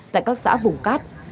tại các xã vùng cát